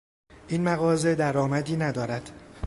این مغازه در آمدی ندارد.